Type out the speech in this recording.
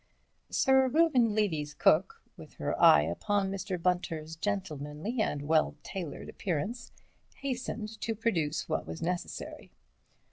'' Sir Reuben Levy's cook, with her eye upon Mr. Bunter's gentlemanly and well tailored appearance, hastened to produce what was necessary.